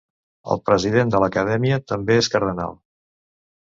El president de l'Acadèmia també és cardenal.